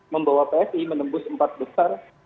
membawa psi menembus empat besar